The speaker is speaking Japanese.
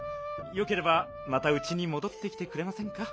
よければまたうちにもどってきてくれませんか？